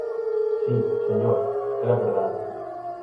Sí, señor, era verdade.